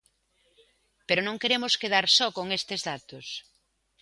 Pero non queremos quedar só con estes datos.